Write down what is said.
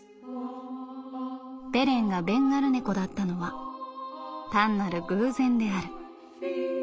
「ベレンがベンガル猫だったのは単なる偶然である」。